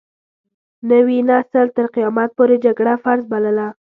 نوي نسل تر قيامت پورې جګړه فرض بلله.